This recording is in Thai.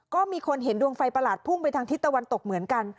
ก็มีคนเห็นดวงไฟประหลาดพุ่งไปทางทิศตะวันตกเหมือนกัน